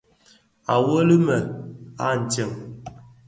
À weli më a ntseng.